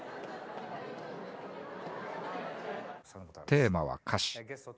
テーマは「歌詞」。